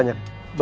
terima kasih pak